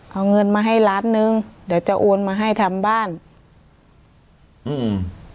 เอาเงินมาให้ล้านหนึ่งเดี๋ยวจะโอนมาให้ทำบ้านอืม